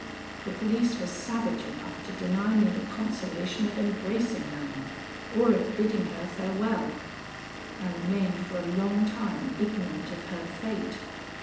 The police were savage enough to deny me the consolation of embracing Manon, or of bidding her farewell. I remained for a long time ignorant of her fate.